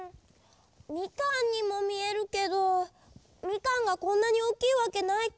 みかんにもみえるけどみかんがこんなにおおきいわけないか。